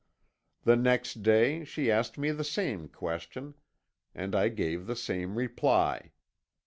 The next day she asked me the same question, and I gave the same reply.